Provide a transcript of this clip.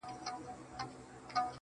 په خــــنــدا كيــسـه شـــــروع كړه.